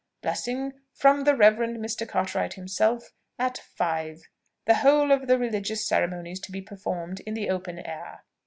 Blessing (from the Reverend Mr. Cartwright himself) at five. The whole of the religious ceremonies to be performed in the open air.